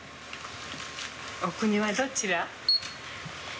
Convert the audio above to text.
お国はどちら？